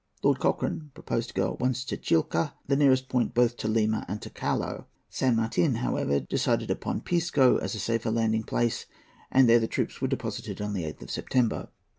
Lord Cochrane proposed to go at once to Chilca, the nearest point both to Lima and to Callao. San Martin, however, decided upon Pisco as a safer landing place, and there the troops were deposited on the 8th of September.